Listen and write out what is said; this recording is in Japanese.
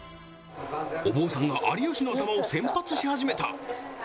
お坊さんが有吉の頭を洗髪し始めた。